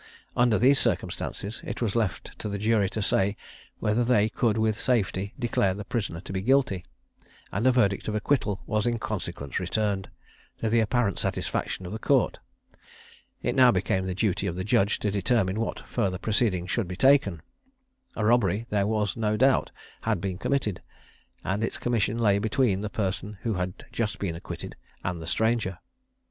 Under these circumstances, it was left to the jury to say, whether they could with safety declare the prisoner to be guilty; and a verdict of acquittal was in consequence returned, to the apparent satisfaction of the Court. It now became the duty of the judge to determine what further proceedings should be taken. A robbery, there was no doubt, had been committed, and its commission lay between the person who had just been acquitted and the stranger.